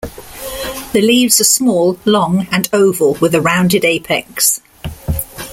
The leaves are small, long, and oval with a rounded apex.